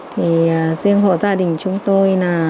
thì riêng hộ gia đình chúng tôi